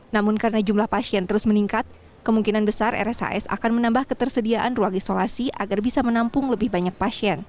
namun karena jumlah pasien terus meningkat kemungkinan besar rshs akan menambah ketersediaan ruang isolasi agar bisa menampung lebih banyak pasien